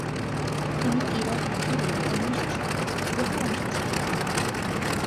তিনি Iraq, Syria ও মিশরসহ বহু অঞ্চলে সফর করেন।